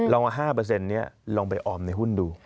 ลองเอา๕นี้ลองไปออมในหุ้นดู